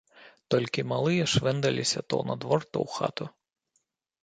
Толькі малыя швэндаліся то на двор, то ў хату.